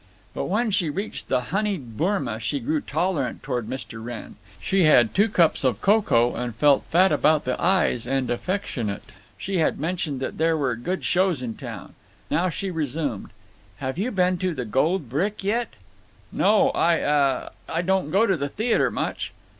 But when she reached the honied bourma she grew tolerant toward Mr. Wrenn. She had two cups of cocoa and felt fat about the eyes and affectionate. She had mentioned that there were good shows in town. Now she resumed: "Have you been to 'The Gold Brick' yet?" "No, I—uh—I don't go to the theater much."